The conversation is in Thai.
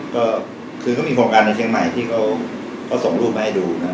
ก็คือเขามีโครงการในเชียงใหม่ที่เขาส่งรูปมาให้ดูนะครับ